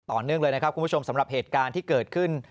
เนื่องเลยนะครับคุณผู้ชมสำหรับเหตุการณ์ที่เกิดขึ้น